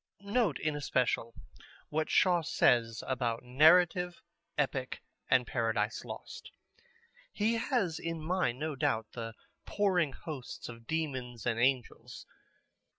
Note in especial what Shaw says about narrative, epic, and Paradise Lost. He has in mind, no doubt, the pouring hosts of demons and angels.